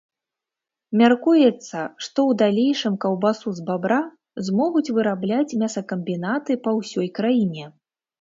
Мяркуецца, што ў далейшым каўбасу з бабра змогуць вырабляць мясакамбінаты па ўсёй краіне.